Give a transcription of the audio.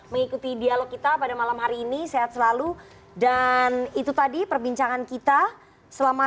mengikuti dialog kita pada malam hari ini sehat selalu dan itu tadi perbincangan kita selama